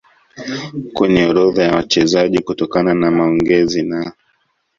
kwenye orodha ya wachezaji Kutokana na maongezi na